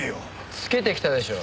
つけてきたでしょう。